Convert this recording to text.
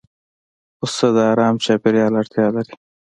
پسه د آرام چاپېریال اړتیا لري.